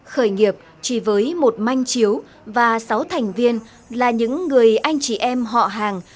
khởi nghiệp chỉ với một manh chiếu và sáu thành viên là những người anh chị em họ hàng